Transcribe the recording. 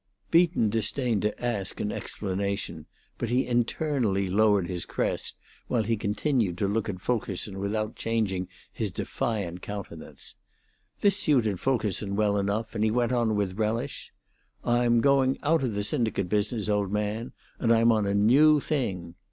Beacon disdained to ask an explanation, but he internally lowered his crest, while he continued to look at Fulkerson without changing his defiant countenance. This suited Fulkerson well enough, and he went on with relish, "I'm going out of the syndicate business, old man, and I'm on a new thing."